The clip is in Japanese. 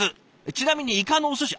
ちなみにイカのおすし。